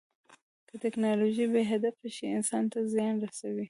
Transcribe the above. که ټیکنالوژي بې هدفه شي، انسان ته زیان رسوي.